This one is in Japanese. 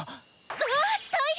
あっ大変！